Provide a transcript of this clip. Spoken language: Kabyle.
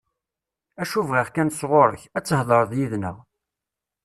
Acu bɣiɣ kan sɣur-k, ad thedreḍ yid-neɣ.